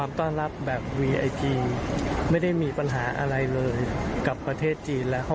อันนี้ฉันไม่ได้พูดตอแหลตอแหล